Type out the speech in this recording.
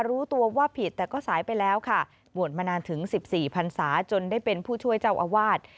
รู้ตัวว่าผิดแต่ก็สายไปแล้วค่ะบวชมานานถึง๑๔พันศาจนได้เป็นผู้ช่วยเจ้าอาวาส